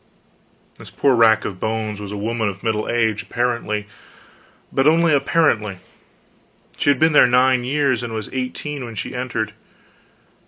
This poor rack of bones was a woman of middle age, apparently; but only apparently; she had been there nine years, and was eighteen when she entered.